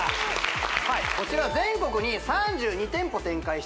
はいこちら全国に３２店舗展開しています